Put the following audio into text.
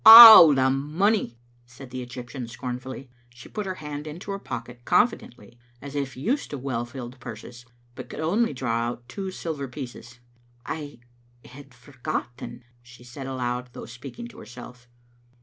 "" Oh, the money," said the Egjrptian scornfully. She put her hand into her pocket confidently, as if used to well filled purses, but could only draw out two silver pieces. "I had forgotten," she said aloud, though speaking to herself.